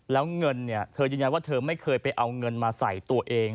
แล้วเงินเนี่ยเธอยืนยันว่าเธอไม่เคยไปเอาเงินมาใส่ตัวเอง